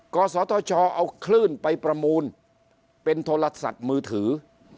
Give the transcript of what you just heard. กศธชเอาคลื่นไปประมูลเป็นโทรศัพท์มือถือ